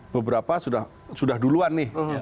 beberapa sudah duluan nih